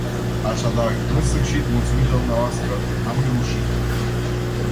Așadar, în sfârșit, mulțumită dvs., am reușit.